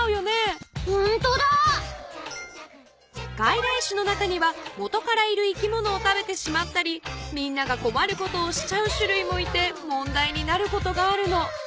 ホントだ！がいらいしゅの中には元からいる生き物を食べてしまったりみんながこまることをしちゃうしゅるいもいて問題になることがあるの。